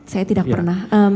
saya tidak pernah